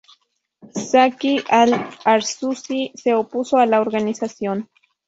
Zaki Al-Arsuzi se opuso a la organización.